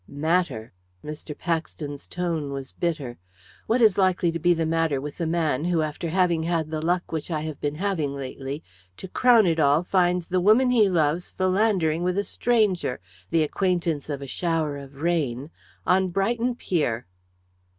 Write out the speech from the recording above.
"Matter!" Mr. Paxton's tone was bitter. "What is likely to be the matter with the man who, after having had the luck which I have been having lately, to crown it all finds the woman he loves philandering with a stranger the acquaintance of a shower of rain on Brighton pier."